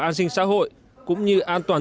an sinh xã hội cũng như an toàn